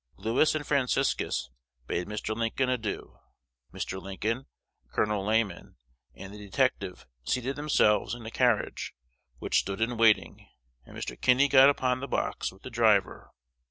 Lewis and Franciscus bade Mr. Lincoln adieu. Mr. Lincoln, Col. Lamon, and the detective seated themselves in a carriage, which stood in waiting, and Mr. Kinney got upon the box with the driver.